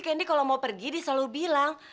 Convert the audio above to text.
kendi kalo mau pergi diselalu bilang